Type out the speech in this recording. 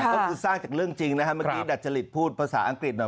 ก็คือสร้างจากเรื่องจริงนะฮะเมื่อกี้ดัจจริตพูดภาษาอังกฤษหน่อย